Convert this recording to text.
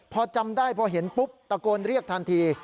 พอจำได้พอเห็นปุ๊บตะโกนเรียกทันที